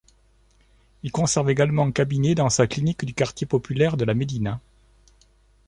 Il conserve également un cabinet dans sa clinique du quartier populaire de la Médina.